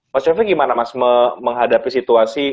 mas yofi gimana mas menghadapi situasi